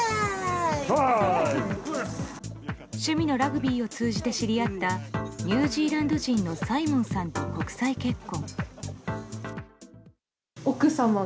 趣味のラグビーを通じて知り合ったニュージーランド人のサイモンさんと国際結婚。